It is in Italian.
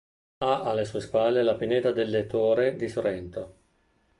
Ha alle sue spalle la pineta delle Tore di Sorrento.